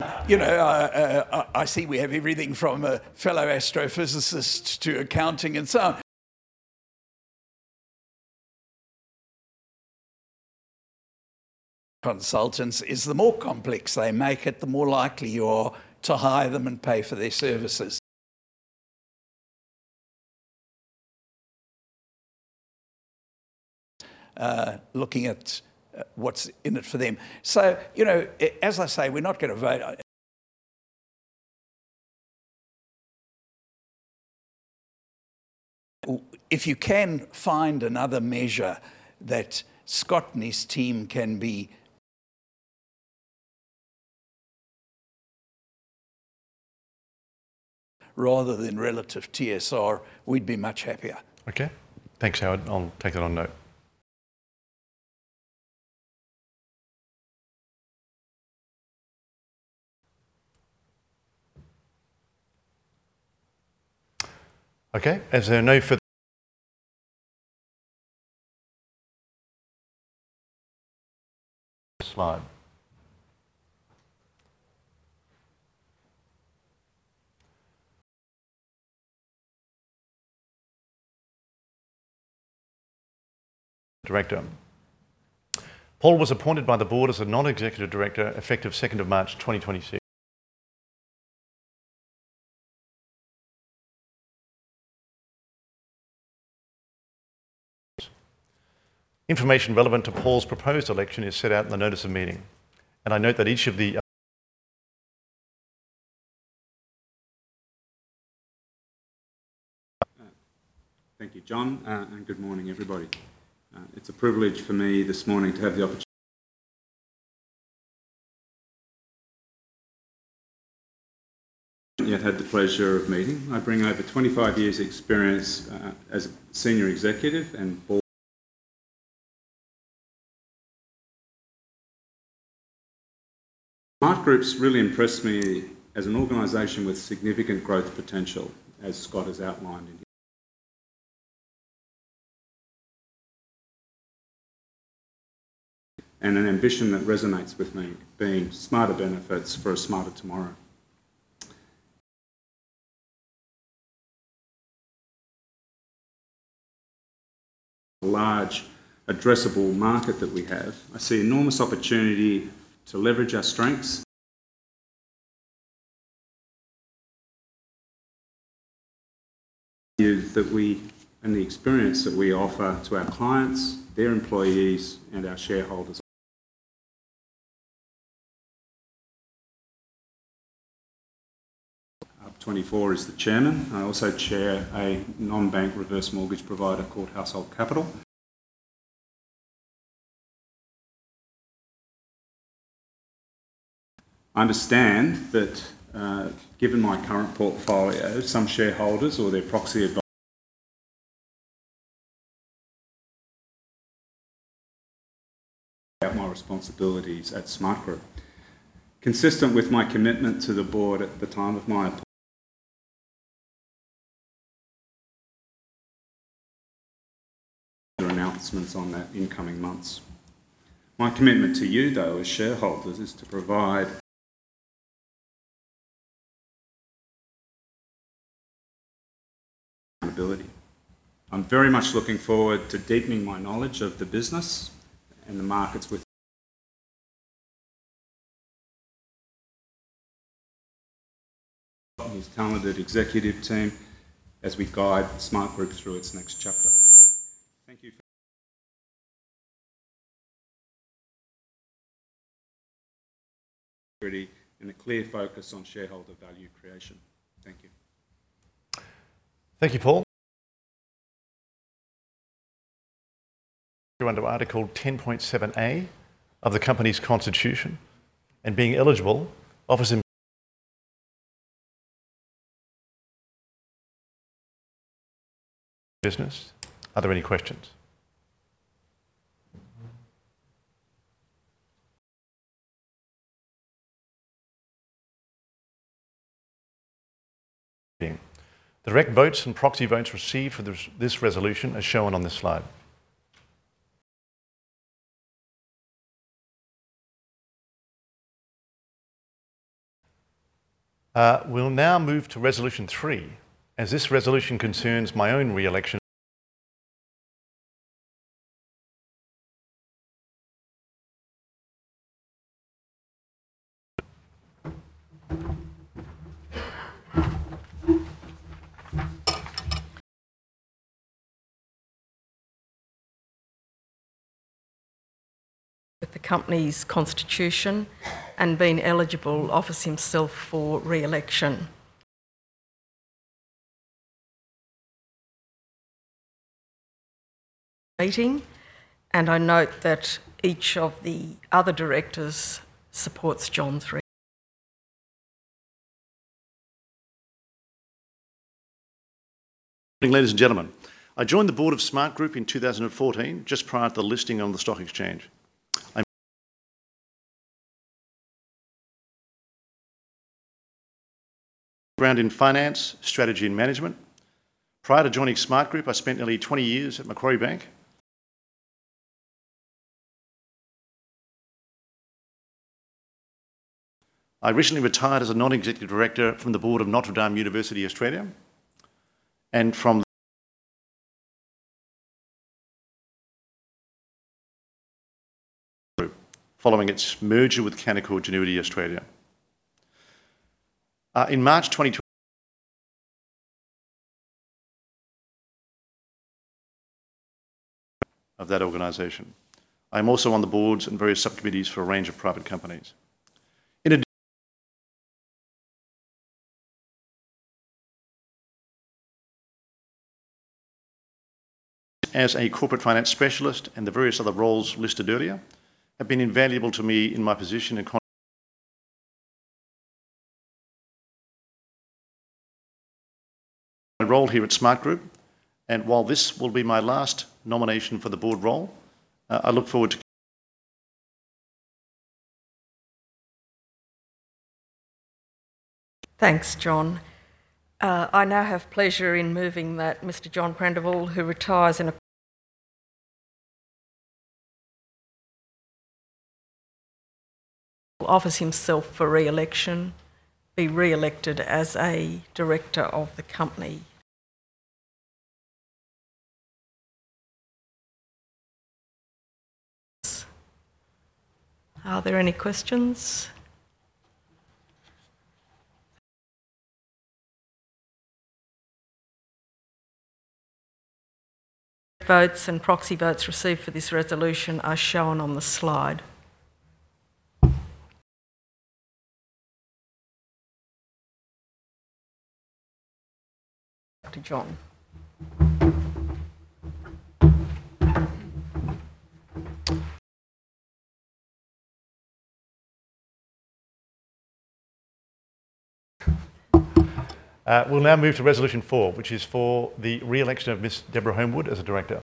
I see we have everything from a fellow astrophysicist to accounting and consultants is the more complex they make it, the more likely you are to hire them and pay for their services. looking at, what's in it for them. As I say, we're not gonna vote if you can find another measure that Scott and his team can be rather than relative TSR, we'd be much happier. Okay. Thanks, Howard. I'll take that on note. As there are no further slides. Director. Paul was appointed by the board as a non-executive director effective second of March 2026. Information relevant to Paul's proposed election is set out in the notice of meeting. I note that each of the Thank you, John, good morning, everybody. It's a privilege for me this morning. Haven't yet had the pleasure of meeting. I bring over 25 years' experience as a senior executive and board. Smartgroup's really impressed me as an organization with significant growth potential, as Scott has outlined. An ambition that resonates with me, being smarter benefits for a smarter tomorrow, a large addressable market that we have. I see enormous opportunity to leverage our strengths. you that we. The experience that we offer to our clients, their employees, and our shareholders. At HUB24, and as the chairman. I also chair a non-bank reverse mortgage provider called Household Capital. I understand that, given my current portfolio, some shareholders or their proxy about my responsibilities at Smartgroup. Consistent with my commitment to the board at the time of my announcements on that in coming months. My commitment to you, though, as shareholders, is to provide ability. I'm very much looking forward to deepening my knowledge of the business and the markets with and his talented executive team as we guide Smartgroup through its next chapter. Thank you for integrity and a clear focus on shareholder value creation. Thank you. Thank you, Paul. Under Article 10.7A of the company's constitution, and being eligible, offers business. Are there any questions? The rec votes and proxy votes received for this resolution are shown on this slide. We'll now move to Resolution three, as this resolution concerns my own re-election. With the company's constitution, and being eligible, offers himself for re-election, meeting, and I note that each of the other directors supports John's re-election. Good morning, ladies and gentlemen. I joined the board of Smartgroup in 2014, just prior to the listing on the stock exchange. My background in finance, strategy, and management. Prior to joining Smartgroup, I spent nearly 20 years at Macquarie Bank. I recently retired as a Non-Executive Director from the board of The University of Notre Dame Australia, and from the following its merger with Canaccord Genuity Australia. in March 2022 of that organization. I'm also on the boards and various sub-committees for a range of private companies. In addition, as a corporate finance specialist and the various other roles listed earlier have been invaluable to me in my position in my role here at Smartgroup. While this will be my last nomination for the board role. Thanks, John. I now have pleasure in moving that Mr. John Prendiville, who retires offers himself for re-election, be re-elected as a director of the company. Are there any questions? Votes and proxy votes received for this resolution are shown on the slide. Back to John. We'll now move to Resolution four, which is for the re-election of Miss Deborah Homewood as a director.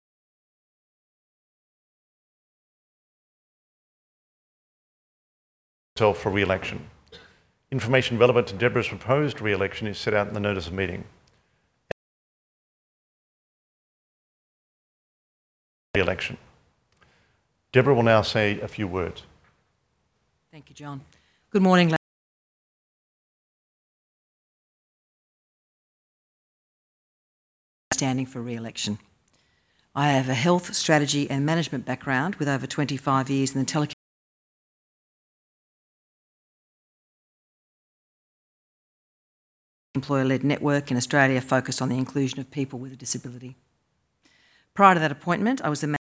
herself for re-election. Information relevant to Deborah's proposed re-election is set out in the notice of meeting. re-election. Deborah will now say a few words. Thank you, John. Good morning, standing for re-election. I have a health, strategy, and management background, with over 25 years in the employer-led network in Australia focused on the inclusion of people with a disability. Prior to that appointment, I was the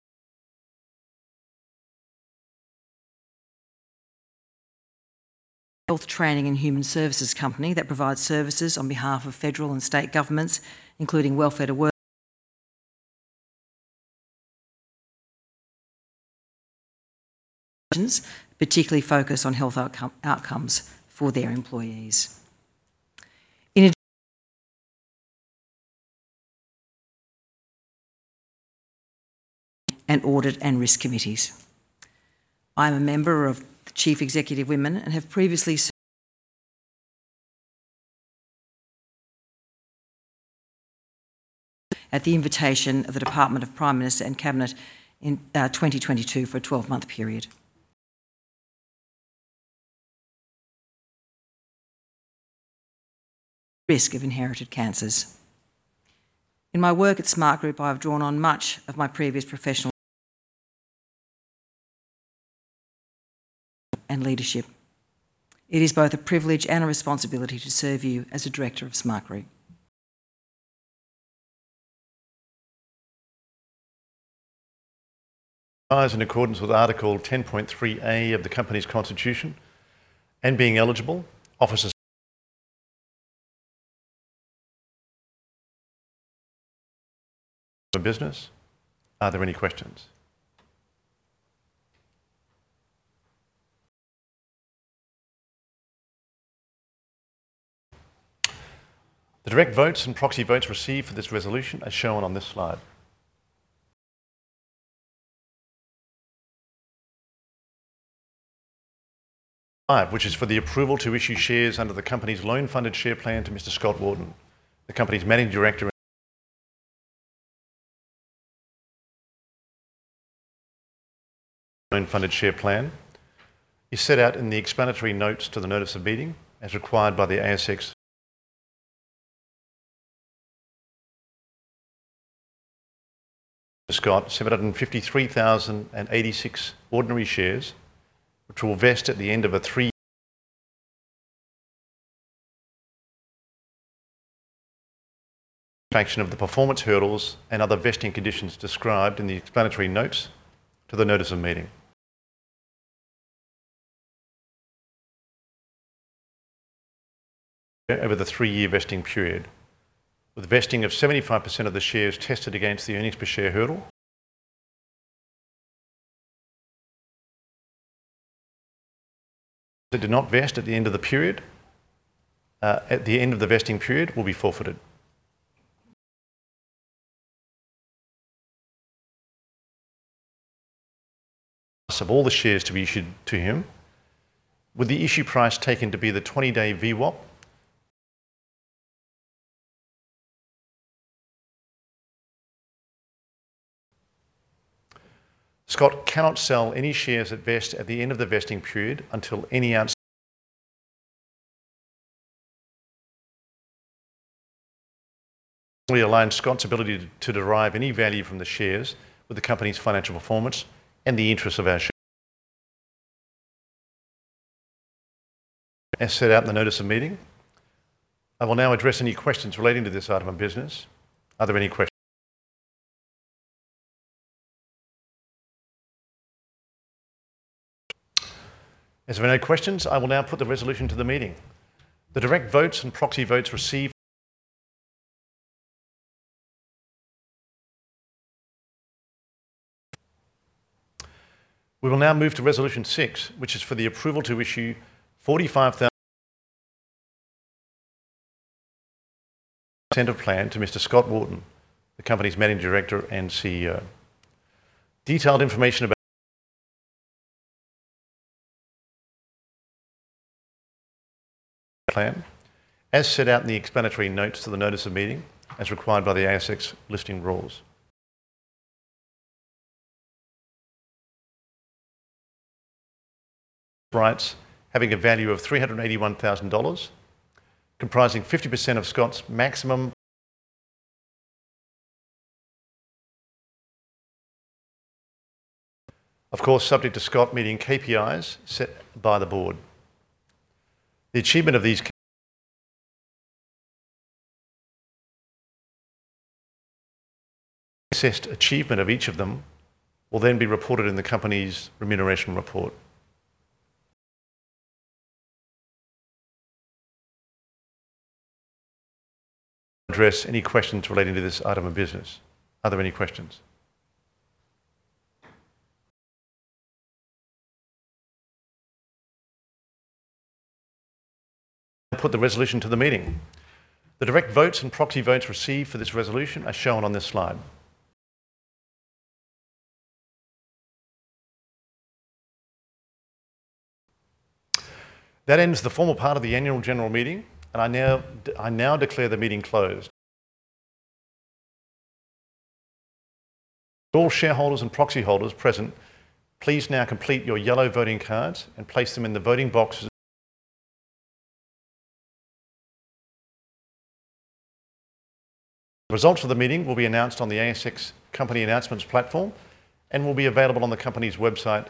health training and human services company that provides services on behalf of federal and state governments, including welfare to work- particularly focused on health outcomes for their employees. and audit and risk committees. I'm a member of Chief Executive Women, and have previously at the invitation of the Department of the Prime Minister and Cabinet in 2022 for a 12-month period. risk of inherited cancers. In my work at Smartgroup, I have drawn on much of my previous and leadership. It is both a privilege and a responsibility to serve you as a director of Smartgroup. in accordance with Article 10.3A of the company's constitution, and being eligible. Of business. Are there any questions? The direct votes and proxy votes received for this resolution are shown on this slide. five, which is for the approval to issue shares under the company's loan funded share plan to Mr. Scott Wharton, the company's Managing Director. Loan funded share plan is set out in the explanatory notes to the notice of meeting as required by the ASX. Scott 753,086 ordinary shares, which will vest at the end of a three-year completion of the performance hurdles and other vesting conditions described in the explanatory notes to the notice of meeting. Over the three-year vesting period, with the vesting of 75% of the shares tested against the earnings per share hurdle. That did not vest at the end of the period, at the end of the vesting period will be forfeited. Of all the shares to be issued to him, with the issue price taken to be the 20-day VWAP. Scott cannot sell any shares at vest at the end of the vesting period. We align Scott's ability to derive any value from the shares with the company's financial performance and the interest of our. As set out in the notice of meeting. I will now address any questions relating to this item of business. Are there any questions? As there are no questions, I will now put the resolution to the meeting. The direct votes and proxy votes received. We will now move to resolution six, which is for the approval to issue 45,000 Incentive plan to Mr. Scott Wharton, the company's Managing Director and CEO. Plan as set out in the explanatory notes to the notice of meeting as required by the ASX listing rules. Rights having a value of 381,000 dollars, comprising 50% of Scott's maximum. Of course, subject to Scott meeting KPIs set by the board. Assessed achievement of each of them will then be reported in the company's remuneration report. Address any questions relating to this item of business. Are there any questions? I put the resolution to the meeting. The direct votes and proxy votes received for this resolution are shown on this slide. That ends the formal part of the annual general meeting, and I now declare the meeting closed. All shareholders and proxy holders present, please now complete your yellow voting cards and place them in the voting boxes. Results of the meeting will be announced on the ASX company announcements platform and will be available on the company's website.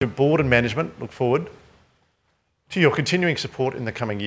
The board and management look forward to your continuing support in the coming year.